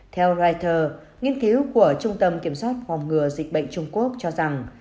theo reuters nghiên cứu của trung tâm kiểm soát phòng ngừa dịch bệnh trung quốc cho rằng